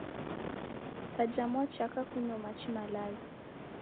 Kaja mwachaka kunyo machi malazi